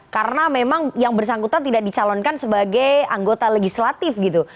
karena memang yang bersangkutan tidak dicalonkan sebagai anggota legislatif gitu